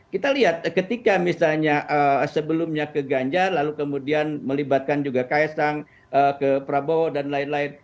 kita lihat ketika misalnya sebelumnya ke ganjar lalu kemudian melibatkan juga ks sang ke prabowo dan lain lain